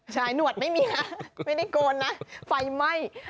ใช่หนวดไม่มีนะไม่ได้โกนนะไฟไหม้